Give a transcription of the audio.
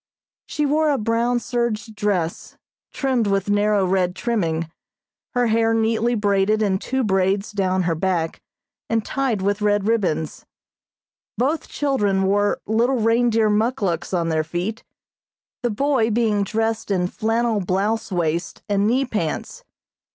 She wore a brown serge dress, trimmed with narrow red trimming, her hair neatly braided in two braids down her back, and tied with red ribbons. Both children wore little reindeer muckluks on their feet, the boy being dressed in flannel blouse waist and knee pants.